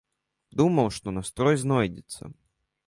Думаў, што настрой знойдзецца.